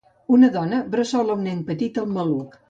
Una dona bressola un nen petit al maluc.